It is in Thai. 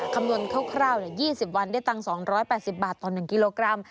คำนวณคร่าว๒๐วันได้ตังค์๒๘๐บาทต่อ๑กิโลกรัม